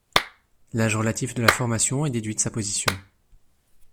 L'âge relatif de la formation est déduit de sa position.